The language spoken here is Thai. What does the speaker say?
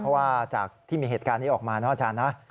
เพราะว่าจากที่มีเหตุการณ์นี้ออกมานะอาจารย์นะ